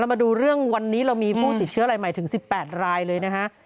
มาดูเรื่องวันนี้เรามีผู้ติดเชื้อรายใหม่ถึง๑๘รายเลยนะฮะ